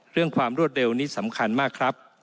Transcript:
ความรวดเร็วนี้สำคัญมากครับ